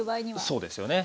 そうですよね。